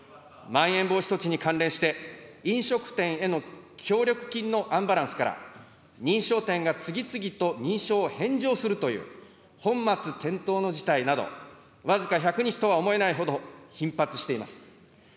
まん延防止措置に関連して、飲食店への協力金のアンバランスから、認証店が次々と認証を返上するという、本末転倒の事態など、僅か１００日とは思えないほど、頻発しています。